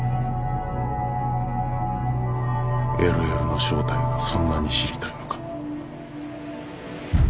ＬＬの正体がそんなに知りたいのか。